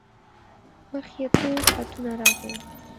مخ یې تور خطونه راغلل.